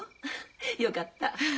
よかった。